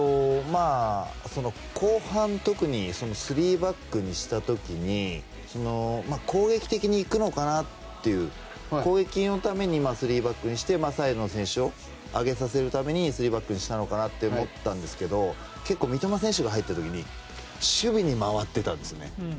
後半特に３バックにした時に攻撃的に行くのかなという攻撃のために３バックにしてサイドの選手を上げさせるために３バックにしたのかなと思ったんですが結構、三笘選手が入った時に守備に回ってたんですよね。